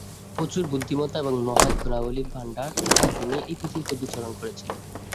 প্রচুর বুদ্ধিমত্তা এবং মহৎ গুণাবলীর ভাণ্ডার থাকা তিনি এই পৃথিবীতে বিচরণ করেছিলেন।